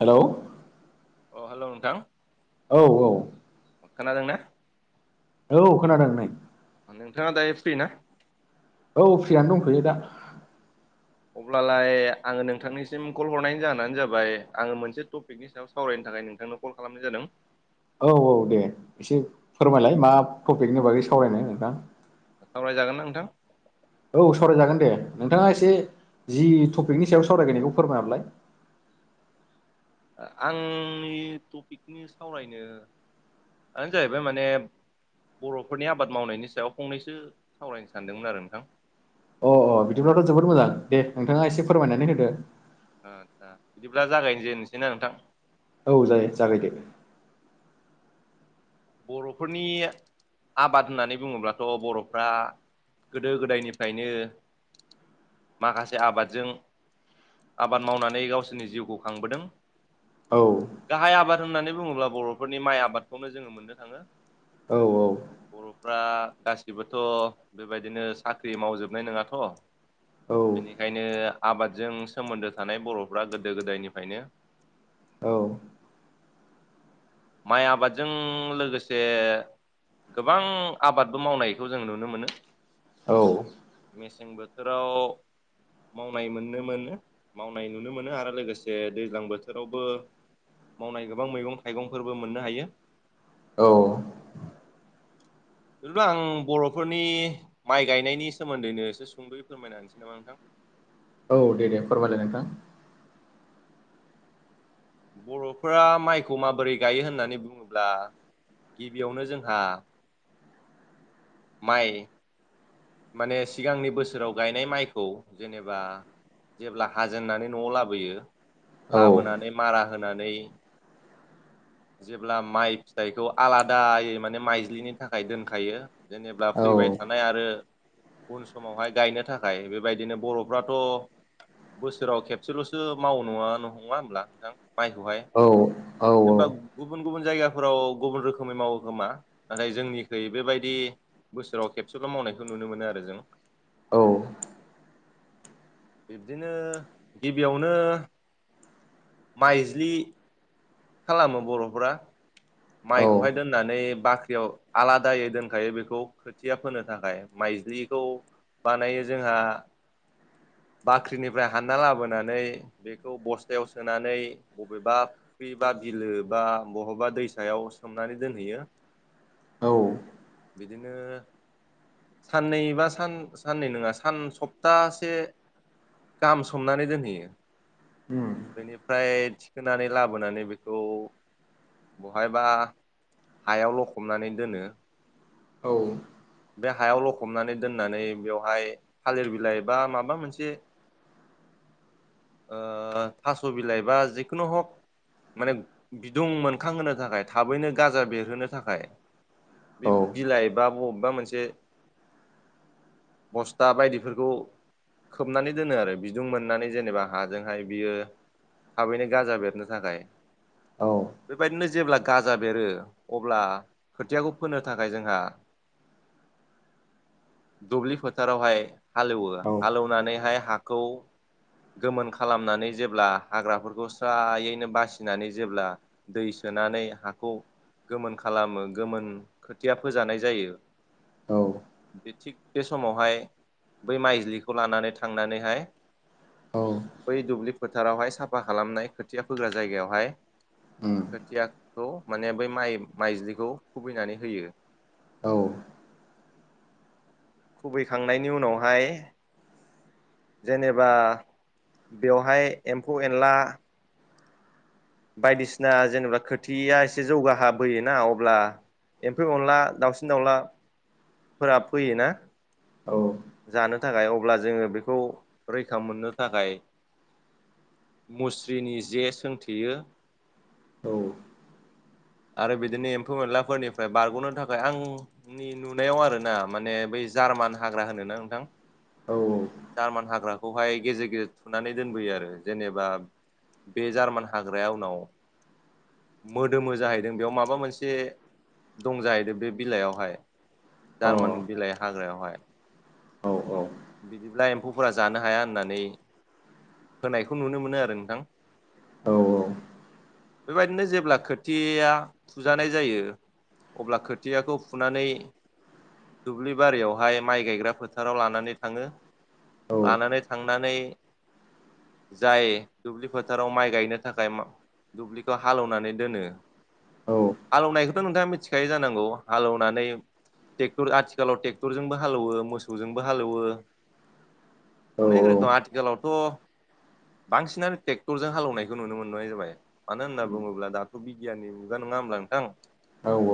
हेल' अ हेल' नोंथां औ औ खोनादोंना औ खोनादों नै नोंथाङा दायो फ्रि ना? औ फ्रियानो दंख'यो दा अब्लालाय आङो नोंथांनिसिम कल हरनायनि जाहोनानो जाबाय आङो मोनसे टपिकनि सायाव सावरायनो थाखाय नोंथांनो कल खालामनाय जादों। औ औ दे एसे फोरमायलाय मा टपिकनि बागै सावरायनो नोंथां। सावरायजागोन ना नोंथां औ सावराय जागोन दे। नोंथाङा एसे जि टपिकनि सायाव सावरायनायखौ फोरमाय हरलाय आंनि टपिकनि सावरायनो आ जाहैबाय माने बर'फोरनि आबाद मावनायनि सायाव फंनैसो सावरायनो सानदोंमोन आरो नोंथां अ अ बिदिब्लाथ' जोबोद मोजां दे नोंथाङा एसे फोरमायनानै होदो। बिदिब्ला जागायनो जेननो सैना नोंथां। औ जागाय जागाय दे बर'फोरनि आबाद होननानै बुङोब्लाथ' बर'फ्रा गोदो गोदायनिफ्रायनो माखासे आबादजों आबाद मावनानै गावसोरनि जिउखौ खांबोदों औ गाहाय आबाद होननानै बुङोब्ला बर'फोरनि माइ आबादखौनो जोङो मोननो थाङो औ औ अब्ला गासिबोथ' बेबायदिनो साख्रि मावजोबनाय नङाथ' औ बेनिखायनो आबादजों सोमोन्दो थानाय बर'फ्रा गोदो गोदायनिफ्रायनो औ माइ आबादजों लोगोसे गोबां आबादबो मावनायखौ जों नुनो मोनो। औ मेसें बोथोराव मावनाय मोननो मोनो मावनाय नुनो मोनो आरो लोगोसे दैज्लां बोथोरावबो मावनाय गोबां मैगं थाइगंफोरबो मोननो हायो। औ बिदिब्ला आं बर'फोरनि माइ गायनायनि सोमोन्दैनो एसे सुंद'यै फोरमायना होनसै नामा नोंथां औ दे दे फोरमायलाय नोंथां बर'फोरा माइखौ माबोरै गायो होननानै बुङोब्ला गिबियावनो जोंहा माइ माने सिगांनि बोसोराव गायनाय माइखौ जेनेबा जेब्ला हाजेननानै न'आव लाबोयो औ लाबोनानै मारा होनानै [inaudible] जेब्ला माइ फिथाइखौ आलादायै माने माइज्लिनि थाखाय दोनखायो। जेनेबब्ला औ फैबाय थानाय आरो उन समावहाय गायनो थाखाय बेबायदिनो बर'फ्राथ' बोसोराव खेबसेल'सो माव नङा नङा होनोमब्ला नोंथां माइखौहाय औ औ होनबा गुबुन गुबुन जायगा फोराव गुबुन रोखोमै मावो खोमा नाथाय जोंनिख्रुइ बेबायदि बोसोराव खेबसेल' मावनायखौ खौ नुनो मोनो आरो जों औ बिब्दिनो गिबियावनो माइज्लि खालामो बर'फोरा औ माइखौहाय दोननानै बाख्रियाव आलादायै दोनखायो बेखौ खोथिया फोनो थाखाय माइ जुलिखौ बानायो जोंहा बाख्रिनिफ्राय हानना लाबोनानै बेखौ बस्थायाव सोनानै बबेबा फखिरि बा बिलो बा बहबा दैसायाव सोमनानै दोनहैयो औ बिदिनो साननैबा सान साननै नङा सान सप्तासे गाहाम सोमनानै दोनहैयो उम बेनिफ्राय थिखोनानै लाबोनानै बेखौ बहायबा हायाव लखबनानै दोनो औ बे हायाव लखबनानै दोननानै बेवहाय थालिर बिलाइ बा माबा मोनसे थास' बिलाइ बा जिखुनु हक माने बिदुं मोनखांहोनो थाखाय थाबैनो गाजा बेरहोनो थाखाय औ बे बिलाइ बा बबेबा मोनसे बस्था बायदिफोरखौ खोबनानै दोनो आरो बिदुं मोननानै जेनेबा हाजोंहाय बियो थाबैनो गाजा बेरनो थाखाय बेबायदिनो जेब्ला गाजा बेरो अब्ला खोथियाखौ फोनो थाखाय जोंहा दुब्लि फोथारावहाय हालेवो औ हालेवनानैहाय हाखौ खौ गोमोन खालामनानै जेब्ला हाग्राफोरखौ स्रायैनो बासिनानै जेब्ला दै सोनानै हाखौ गोमोन खालामो गोमोन खोथिया फोजानाय जायो। औ बे थिग बे समावहाय बै माइजिलिखौ लानानै थांनानैहाय औ बै दुब्लि फोथारावहाय साफा खालामनाय खोथिया फोग्रा जायगायावहाय उम खोथियाखौ माने बै माइ माइज्लिखौ खुबैनानै होयो। औ खुबै खांनायनि उनावहाय जेनेबा बेवहाय एम्फौ एनला बायदिसिना जेनेबा खोथिया एसे जौगाहा बोयोना अब्ला एम्फौ अनला दाउसिन दाउलाफोरा फैयो ना औ थानो थाखाय अब्ला जोङो बेखौ रैखा मोननो थाखाय मुस्रिनि जे सोंथेयो। औ [inaudible] आरो बिदिनो एम्फौ एनलाफोरनिफ्राय बारग'नो थाखाय आंनि नुनायाव आरो ना माने बै जा जार्मान हाग्रा होननो ना नोंथां अ औ जार्मान हाग्रा खौहाय गेजेर गेजेर थुनानै दोनबोयो आरो। जेनेबा बे जार्मान हाग्राया उनाव मोदोमो जाहैदों बेयाव माबा मोनसे दं जाहैदों बे बिलाइयावहाय औ जार्मान बिलाइ हाग्रायावहाय। औ बिदिब्ला एम्फौफोरा जानो हाया होननानै होनायखौ नुनो मोनो आरो नोंथां। [unintelligible] बेबायदिनो जेब्ला खोथिया फुजानाय जायो अब्ला खोथियाखौ फुनानै दुब्लि बारियावहाय माइ गायग्रा फोथ थाराव लानानै थांङो। लानानै थांनानै जाय दुब्लि फोथाराव माइ गायनो थाखाय मा दुब्लिखौ हालौनानै दोनो। औ आलौनाय खो नोंथाङा मिनथिखायो जानांगौ हालौनानै टेक्टर आथिखालाव ट्रेक्टरजोंबो हालौ मोस सौजोंबो हालौवो अनेख रोग' आथिखालावथ' बांसिनानो टेक्टरजों हालौनायखौ नुनो मोननाय जाबाय। मानो होनना बुंङोब्ला दाथ' बिगियाननि मुगा न ना होनब्ला नोंथां। औ औ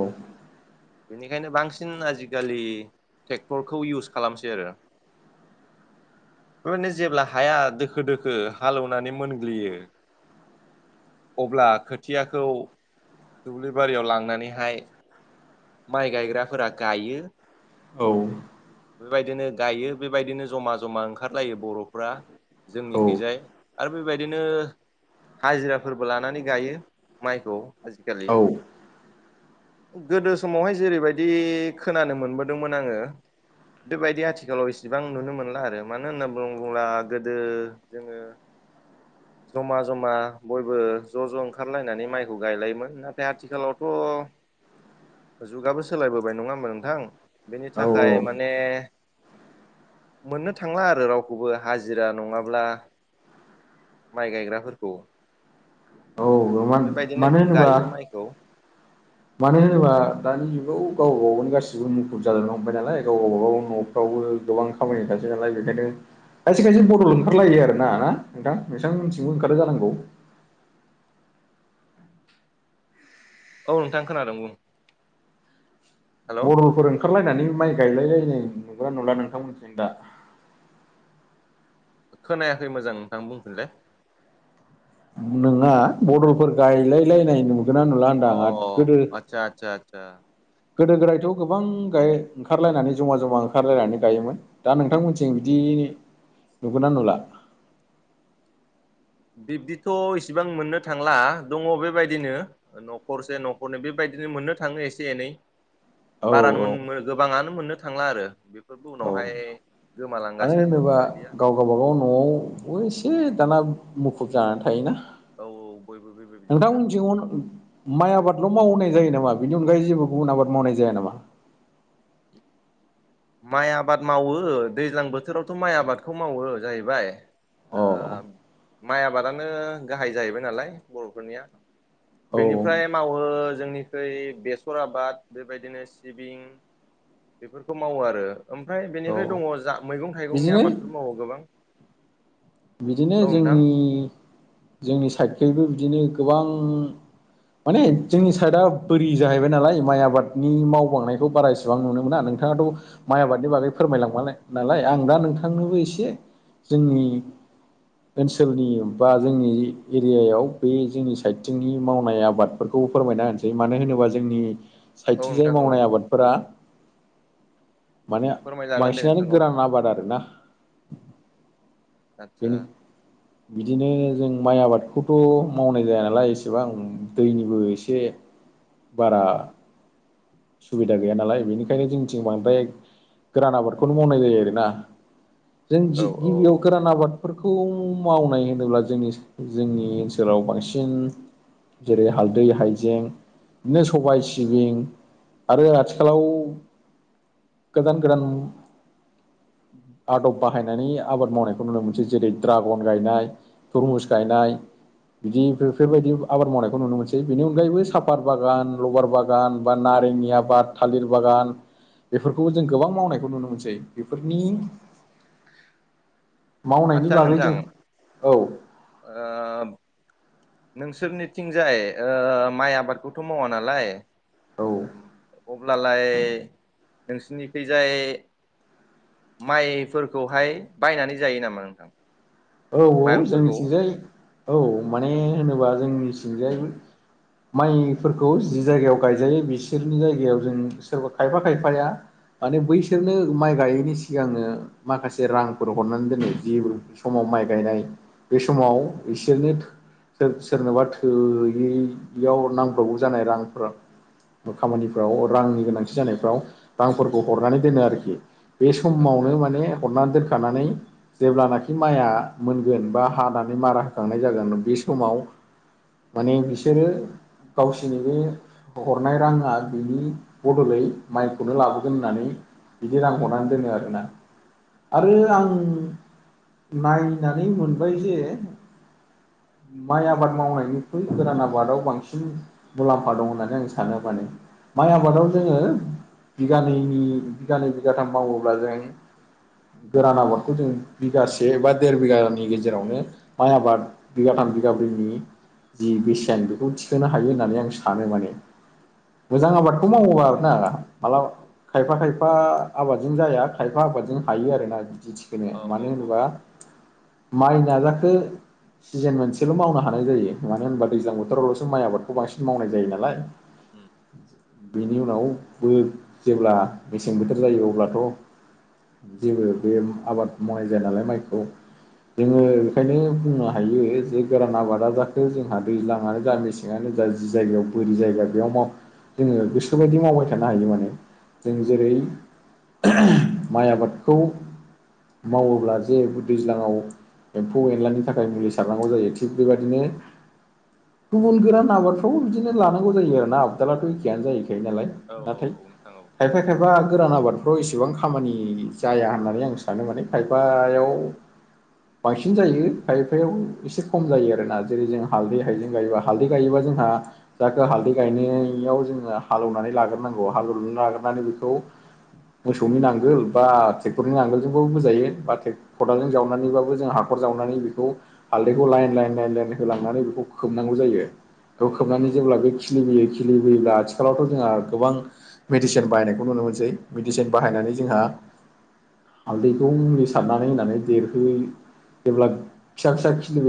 बिनिखायनो बांसिन आजिखालि टेक्टरखौ इउस खालामसै आरो। [unintelligible] नो जेब्ला हाया दोखो दोखो हालौनानै मोनग्लियो अब्ला खोथियाखौ दुब्लि बारियाव लांनानैहाय माइ गायग्राफोरा गायो। औ। बेबायदिनो गायो बेबायदिनो जमा जमा ओंखारलायो बर'फ्रा। औ जोंनिखैजाय आरो बेबायदिनो हाजिराफोरबो लानानै गायो माइखौ आजिखालि। गोदो समावहाय जेरैबायदि खोनानो मोनबोदोंमोन आंङो बेबायदि आथिखालाव इसिबां नुनो मोनला आरो। मानो होनना बों बुंब्ला गोदो जोंङो जमा जमा बयबो ज' ज' ओंखारलायनानै माइखौ गायलायोमोन। नाथाय आथिखालावथ' अ जुगाबो सोलाय बोबाय नंङा होनबा नोंथां बेनि थाखाय मान ए मोननो थांला आरो रावखौबो हाजिरा नंङाब्ला माइ गायग्राफोरखौ। औ नंङा बेबायदिनो मानो होनोबा गायो माइखौ मानो होनोबा दानि जुगाव गावबा गावनो गासिबो मुखुब जालांनो हमबाय नालाय गाव गावबाागाव न'फ्रावबो गोबां खामानिखासै नालाय बेखायनो खायसे खायसे बर'ल' ओंखारलायो आरो ना ना नोंथां नोंथांमोनथिंबो ओंखारो जानांगौ? औ नोंथां खोनादों बुं। हेल' बदलफोर ओंखारलायनानै माइ गायलायलाय नै नुग्रा नुला नोंथांमोनथिं दा खोनायाखै मोजां नोंथां बुंफिनलाय। नंङा बदलफोर गायलायलायनाय नुगोना नुला होनदों अ गोदो आदसा आदसा आदसा गोदो गोदायथ' गोबां गाय ओंखारलायनानै जमा जमा ओंखारलायनानै गायोमोन दा नोंथांमोनथिं बिदि नुगोनना नुला? [inaudible] बिब्दिथ' इसिबां मोननो थांला दंङो बेबायदिनो न'खरसे न'खरनि बेबायदिनो बिनो मोननो थांङो एसे एनै औ बार औ गोबांङानो मोननो थांला आरो। बेफोरबो औ उनावहाय मानो गोमालांगासिनो होनोबा बेफोरबायदिया गाव गावबागाव न'आव एसे दाना मुखुब जानानै थायोना औ औ बयबो बेबायदिनो नोंथांमोननिथिं माइ आबाद आबल' मावनाय जायो नामा बिनि अनगायै जेबो गुबुन आबाद मावनाय जाया नामा? माइ आबाद मावो दैज्लां बोथोरावथ' माइ आबादखौ मावो जाहैबाय। ओ अ माइ आबादानो गाहाय जाहैबाय नालाय बर'फोरनिया। औ बेनिफ्राय मावो जोंनिख्रुइ बेसर आबाद बेबायदिनो सिबिं बेफोर मावो आरो ओमफ्राय औ बेनिफ्राय दङ जा मैगं थाइगंनि बिदिनो आबादफोर मावो गोबां बिदिनो औ नोंथां जोंनि जोंनि साइडखैबो बिदिनो गोबां माने जोंनि साइदआ बोरि जाहैबाय नालाय माइ आबादनि मावबांनायखौ बारासेबां नुनो मोना नों नोंथाङाथ' माइ आबादनि बागै फोरमायलांबाय नालाय आं दा नोंथांनोबो एसे जोंनि [inaudible] ओनसोलनि बा जोंनि एरियायाव बे जोंनि साइथिंनि मावनाय आबादफोरखौ [unintelligible] फोरमायना होनोसै मानो होनोबा जोंनि औ नोंथां साइथिंजाय औ मावनाय आबादफोरा माने फोरमायजागोन दे बांसिनानो नोंथां औ गोरान फोरमाय आबाद आरोना। आदसा बिदिनो जों माइ आबादखौथ' मावनाय जाया नालाय एसेबां दैनिबो एसे बारा सुबिदा गैया नालाय बेनिखायनो जोंनिथिं बांद्राय गोरान आबादखौनो मावनाय जायो आरोना जों औ औ गिबियाव गोरान आबाद बेफोरफोरखौ मावनाय होनोब्ला जोंनि जोंनि ओनसोलाव बांसिन जेरै हालदै हायजें बिदिनो सबाय सिबिं आरो आथिखालाव गोदान गोदान आदब बाहायनानै आबाद मावनायखौ नुनो मोनो। जेरै ड्रागन गायनाय तुरमुस गायनाय बिदि बेफोरबायदि आबाद मावनायखौ नुनो मोनसै बेनि अनगायैबो सापाद बागान लबार बागान बा ना जोंनि आबाद थालिर बागान बेफोरखौबो जों गोबां मावनायखौ नुनो मोनसै बेफोरनि मावनायनि आतसा बागै नोंथां जों औ ओ नोंसोरनिथिंजाय ओ माइ आबादखौथ' मावा नालाय औ अब्लालाय नोंसोरनिथिंजाय माइफोरखौहाय बायनानै जायो नामा नोंथां? औ औ माइरंफोरखौ जोंनिथिंजाय औ माने होनोबा जोंनि थिंजाय माइफोरखौ जि जायगायाव गायजायो बिसोरनि जायगायाव जों सोरबा खायफा खायफाया माने बैसोरनो माइ गायैनि सिगांनो माखासे रांफोर हरनानै दोनो समाव माइ गायनाय बे समाव बिसोरनो सोरनोबा थोयियाव नांब्रबगौ जानाय रांफोरा खामानिफ्राव रांनि गोनांथि जानायफ्राव रांफोरखौ हरनानै दोनो आरोखि बे आदसा समावनो आदसा माने हरनानै दोनखानानै जेब्लानाखि माइआ मोनगोन बा हानानै मारा होखांनाय जागोन बे समाव माने बिसोरो गावसोरनिबो हरनाय राङा बिनि बदलै माइखौनो लाबोगोन होननानै बिदिनो रां हरनानै दोनो आरोना आरो औ आं नायनानै मोनबाय जे [inaudible] माइ आबाद मावनायनिख्रुइ गोरान आबादाव बांसिन मुलाम्फा दं होननानै आं सानो माने माइ औ आबादाव जोङो बिगानैनि बिगानै बिगाथाम मावोब्ला जों गोरान आबादखौ जों बिगासे से बा देर बिगानि गेजेरावनो माइ आबाद बिगाथाम बिगाब्रैनि जि बेसेयानो बेखौ थिखोनो हायो होननानै आं सानो माने मोजां आबादखौ मावो आरोना मालाबा खायफा खायफा आबादजों जाया खायफा आबादजों हायो आरोना खेथि थिखोनो औ औ मानो होनबा माइ [inaudible] सिजोन मोनसेल' मावनो हानाय जायो मानो होनबा दैज्लां बोथोरावल'सो माइ आबादखौ बांसिन मावनो हानाय जायो नालाय उम बेनि उनावबो जेब्ला मेसें बोथोर जायो अब्लाथ' जेबो बे आबाद मावनाय जाया नालाय माइखौ जोङो बेखायनो बुंनो हायो जे गोरान आबादा जाखो जोंहा दैज्लांआनो जा मेसेङानो जा जि जायगायाव बोरि जायगा बेयाव जोङो गोसोबायदि मावबाय थानो हायो माने जों जेरै माइ आबादखौ मावोब्ला जे दैज्लाङाव एम्फौ एनलानि थाखाय मुलि सारनांगौ जायो थिग बेबादिनो गुबुन गोरान आबादफ्रावबो बिदिनो लानांगौ जायो आरोना आबादालाथ' एखेयानो जायो। नालाय औ नाथाय औ नोंथां औ खायफा खायफा गोरान आबाद फ्राव एसेबां खामानि जाया होननानै आं सानो माने खायफायाव [inaudible] बांसिन जायो खायफायाव एसे खम जायो आरोना जेरै जों हालदै हाइजें गायोबा हालदै गायोबा जोंहा जायखौ हालदै गायनायाव जोङो हालेवनानै लाग्रोनांगौ हालेवनानै लाग्रोनानै बेखौ मोसौनि नांगोल बा ट्रेक्टरनि नांगोलजोंबाबो बोजायो बा खदालों जावनानैबाबो जों हाखर जावनानै बेखौ हालदैखौ लाइन लाइन लाइन लाइन होलांनानै बेखौ खोबनांगौ जायो। बेखौ औ नोंथां खोबनानै औ जेब्ला बे खिलिबोयो खिलिबोयोब्ला आथिखालावथ' जोंहा गोबां मेडिसिन बाहायनायखौ नुनो मोनसै मेडिसिन बाहायनानै जोंहा हालदैखौ मुलि सारनानै होनानै देरहोयो जेब्ला फिसा फिसा खिलिबो